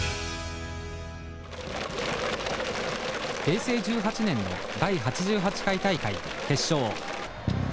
平成１８年の第８８回大会決勝。